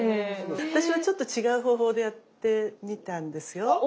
私はちょっと違う方法でやってみたんですよ。